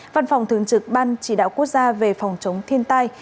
văn phòng thường trực ban chỉ đạo quốc gia về phòng chống thiên tai